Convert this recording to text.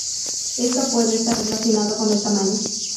Esto puede estar relacionado con el tamaño.